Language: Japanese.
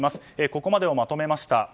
ここまでをまとめました。